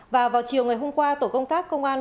và vào chiều ngày hôm qua tổ công tác công an